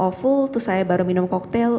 awful terus saya baru minum koktel